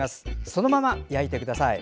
そのまま焼いてください。